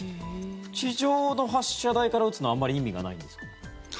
地上の発射台から撃つのはあまり意味がないんですか？